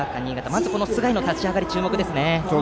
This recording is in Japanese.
まず須貝の立ち上がりに注目です。